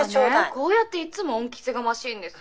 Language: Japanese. ほらねこうやっていっつも恩着せがましいんです。